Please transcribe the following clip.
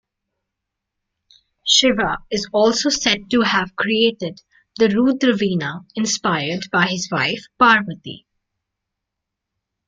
Shiva is also said to have created the Rudraveena, inspired by his wife, Parvati.